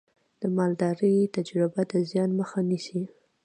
د مالدارۍ تجربه د زیان مخه نیسي.